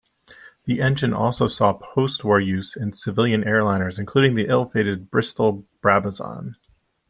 The engine also saw post-war use in civilian airliners, including the ill-fated Bristol Brabazon.